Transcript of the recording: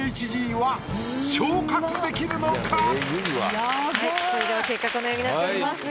はいそれでは結果このようになっております。